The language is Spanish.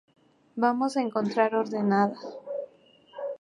Vamos a encontrar ordenada.